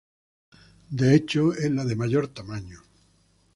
De hecho, es la de mayor tamaño.